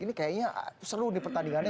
ini kayaknya seru nih pertandingannya